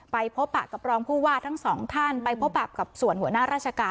ไปพบปะกับรองผู้ว่าทั้งสองท่านไปพบปะกับส่วนหัวหน้าราชการ